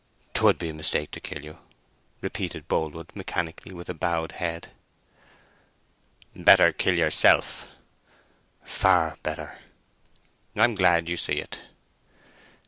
"'Twould be a mistake to kill you," repeated Boldwood, mechanically, with a bowed head. "Better kill yourself." "Far better." "I'm glad you see it."